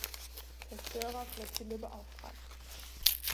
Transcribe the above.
Zerstörerflottille beauftragt.